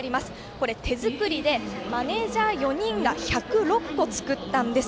これ、手作りでマネージャー４人が１０６個作ったんです。